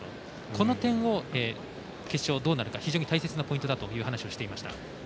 この点を決勝、どうなるか非常に大切なポイントだと話をしていました。